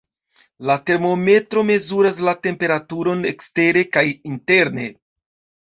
La termometro mezuras la temperaturon ekstere kaj interne.